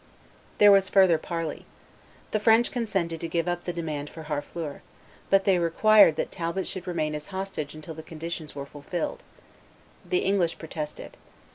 There was further parley. The French consented to give up the demand for Harfleur; but they required that Talbot should remain as a hostage until the conditions were fulfilled. The English protested.